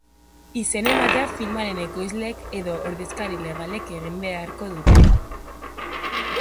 Izen-ematea filmaren ekoizleek edo ordezkari legalek egin beharko dute.